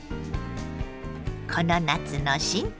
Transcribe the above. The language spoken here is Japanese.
この夏の新定番！